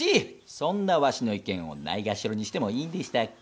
そんなワシの意見をないがしろにしてもいいんでしたっけ？